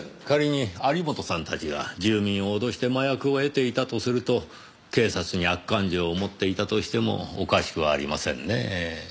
仮に有本さんたちが住民を脅して麻薬を得ていたとすると警察に悪感情を持っていたとしてもおかしくはありませんねぇ。